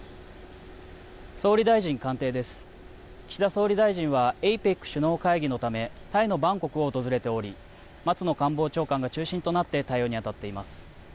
岸田総理大臣は、ＡＰＥＣ首脳会議のため、タイのバンコクを訪れており、松野官房長官が中心となって対応に当たっています。